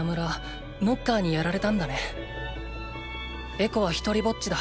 エコはひとりぼっちだ。